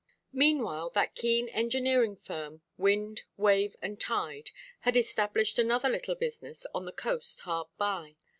Meanwhile that keen engineering firm, wind, wave, and tide, had established another little business on the coast hard by.